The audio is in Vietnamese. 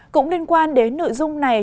cũng liên quan đến nội dung này